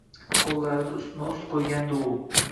Qoʻllarini ustma-ust qoʻygandi u.